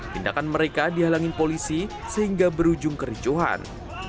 tindakan mereka dihalangin polisi sehingga berujung kericuhan